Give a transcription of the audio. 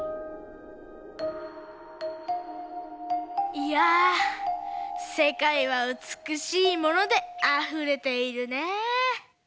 いやぁせかいは美しいものであふれているねぇ。